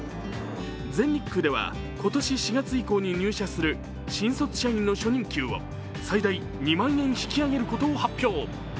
全日空では今年４月以降に入社する新卒社員の初任給を最大２万円引き上げることを発表。